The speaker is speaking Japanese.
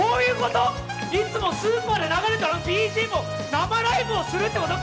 いつもスーパーで流れてるあのＢＧＭを生ライブをするってこと？